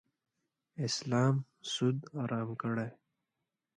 اسلام سود حرام کړی.